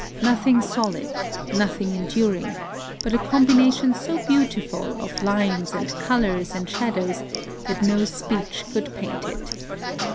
Nothing solid, nothing enduring ; but a com bination so beautiful of lines and colors and shadows that no speech could paint it.